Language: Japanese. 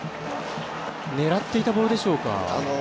狙っていたボールでしょうか。